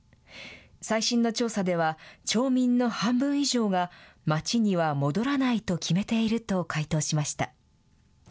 最新の調査では、町民の半分以上が、町には戻らないと決めていると回答しました。